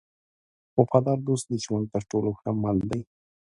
وفادار دوست د ژوند تر ټولو ښه مل دی.